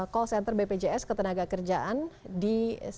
call center bpjs ketenagakerjaan di satu lima sembilan satu